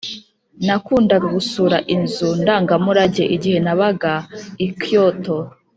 nakundaga gusura inzu ndangamurage igihe nabaga i kyoto.